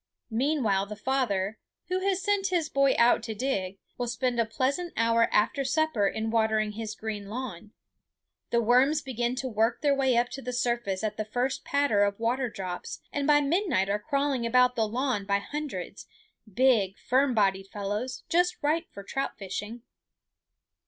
Meanwhile the father, who has sent his boy out to dig, will spend a pleasant hour after supper in watering his green lawn. The worms begin to work their way up to the surface at the first patter of water drops, and by midnight are crawling about the lawn by hundreds, big, firm bodied fellows, just right for trout fishing.